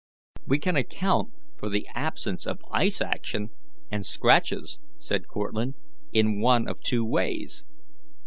"We can account for the absence of ice action and scratches," said Cortlandt, "in one of two ways.